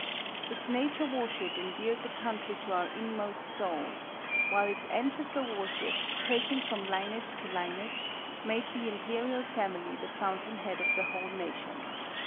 Its nature worship endeared the country to our inmost souls, while its ancestor worship, tracing from lineage to lineage, made the Imperial family the fountain head of the whole nation.